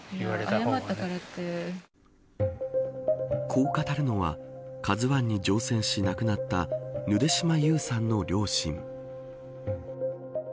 こう語るのはＫＡＺＵ１に乗船し亡くなったぬで島優さんの両親。